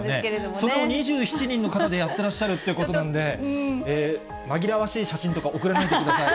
それを２７人の方でやってらっしゃるということなんで、紛らわしい写真とか送らないでください。